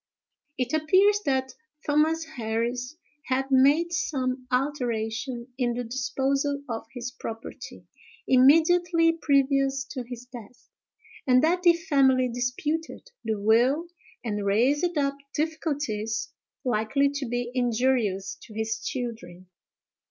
It appears that Thomas Harris had made some alteration in the disposal of his property, immediately previous to his death; and that the family disputed the will and raised up difficulties likely to be injurious to his children.